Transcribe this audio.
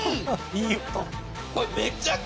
いい音。